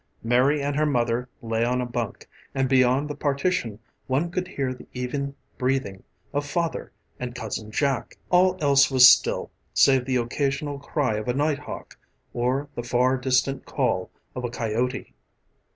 Mary and her mother lay on a bunk and beyond the partition one could hear the even breathing of father and cousin Jack. All else was still save the occasional cry of a night hawk or the far distant call of a coyote.